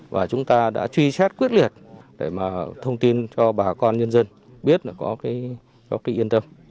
và chúng ta đã truy chép quyết liệt để mà thông tin cho bà con nhân dân biết là có cái góp kỵ yên tâm